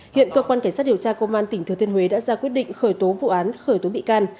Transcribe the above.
hiện cơ quan cảnh sát điều tra công an tỉnh thừa thiên huế đã ra quyết định khởi tố vụ án khởi tố bị can